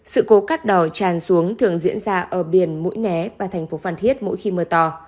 sự cố cắt đỏ tràn xuống thường diễn ra ở biển mũi né và thành phố phan thiết mỗi khi mưa to